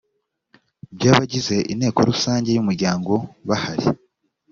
by abagize inteko rusange y umuryango bahari